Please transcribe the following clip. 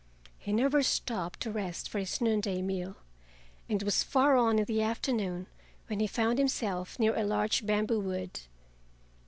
He never stopped to rest for his noonday meal, and it was far on in the afternoon when he found himself near a large bamboo wood.